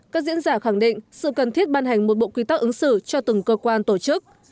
các diễn giả khẳng định sự cần thiết ban hành một bộ quy tắc ứng xử cho từng cơ quan tổ chức